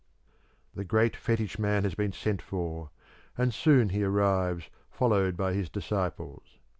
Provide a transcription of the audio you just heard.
The great fetish man has been sent for, and soon he arrives, followed by his disciples.